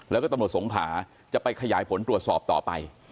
แล้วก็ตำรวจสงขาจะไปขยายผลตรวจสอบต่อไป